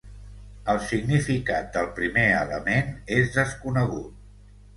El significat del primer element és desconegut.